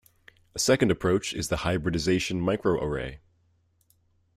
A second approach is the hybridization microarray.